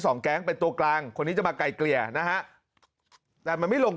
แก๊งเป็นตัวกลางคนนี้จะมาไกลเกลี่ยนะฮะแต่มันไม่ลง